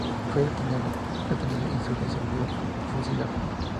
Fue detenido y se resolvió fusilarlo.